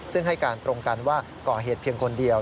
ซึ่งให้การตรงกันว่าก่อเหตุเพียงคนเดียว